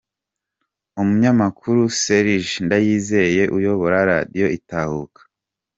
Umunyamakuru Serge Ndayizeye uyobora Radio Itahuka